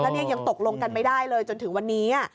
และยังตกลงกันไม่ได้เลยจนถึงวันนี้